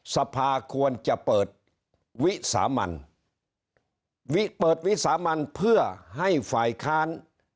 สภาควรจะเปิดวิสามันวิเปิดวิสามันเพื่อให้ฝ่ายค้าน